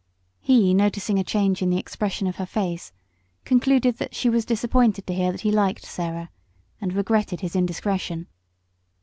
Noticing a change in the expression of her face, he concluded that she was disappointed to hear that he liked Sarah and regretted his indiscretion.